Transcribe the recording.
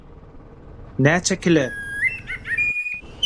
– Näçe kile?